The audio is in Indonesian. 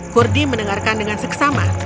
kurdi mendengarkan dengan seksama